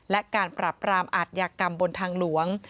และการปรับปรามอาทยากรรมบนทางหลวง